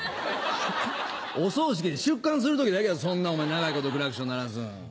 お葬式で出棺する時だけやそんな長いことクラクション鳴らすのは。